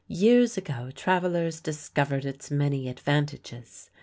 Years ago travelers discovered its many advantages.